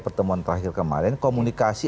pertemuan terakhir kemarin komunikasi